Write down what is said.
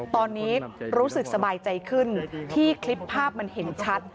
ตอนนี้รู้สึกสบายใจขึ้นที่คลิปภาพมันเห็นชัด